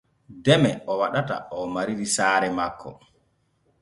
Deme o waɗata oo mariri saare makko.